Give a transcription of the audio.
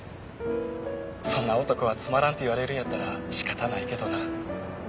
そんな男はつまらんと言われるんやったら仕方ないけどな。